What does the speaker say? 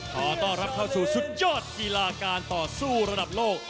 ขอต้อนรับเข้าสู่สุดยอดกีฬาการต่อสู้ระดับโลก